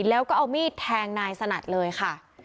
แล้วก็เอามีดแทงนายสนัดเลยค่ะ